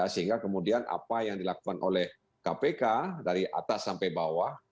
sehingga kemudian apa yang dilakukan oleh kpk dari atas sampai bawah